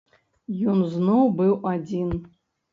Ён зноў быў адзін.